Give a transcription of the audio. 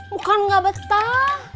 bukan nggak betah